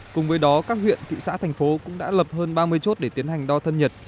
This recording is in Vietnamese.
cùng với đó các huyện thị xã thành phố cũng đã lập hơn ba mươi chốt để tiến hành đo thân nhật